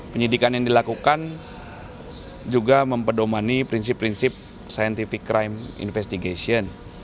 penyidikan yang dilakukan juga mempedomani prinsip prinsip scientific crime investigation